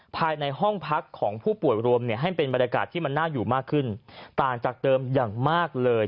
ภายในห้องพักของผู้ป่วยรวมเนี่ยให้เป็นบรรยากาศที่มันน่าอยู่มากขึ้นต่างจากเดิมอย่างมากเลย